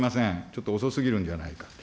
ちょっと遅すぎるんじゃないか。